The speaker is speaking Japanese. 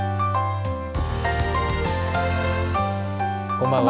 こんばんは。